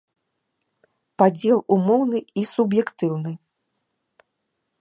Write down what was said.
Падзел умоўны і суб'ектыўны.